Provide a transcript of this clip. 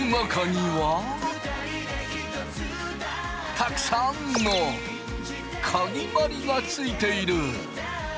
たくさんのかぎ針がついている。